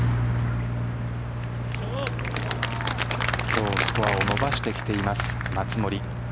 今日スコアを伸ばしてきています松森。